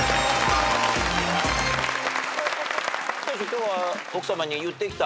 今日は奥さまに言ってきた？